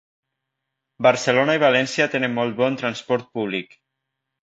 Barcelona i València tenen molt bon transport públic.